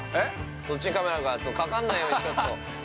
そっちにカメラがあるからかかんないように、ちょっと。